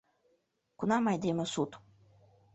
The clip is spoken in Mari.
Кунам айдеме сут